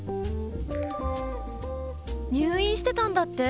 入院してたんだって？